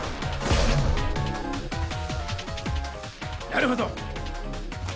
なるほど！